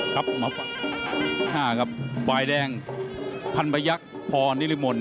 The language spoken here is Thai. ครับมาฝั่งหน้ากับบายแดงพันประยักษณ์พนิริมนต์